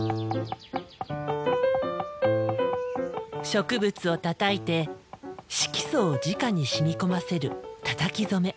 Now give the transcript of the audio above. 植物をたたいて色素をじかに染み込ませる「たたき染め」。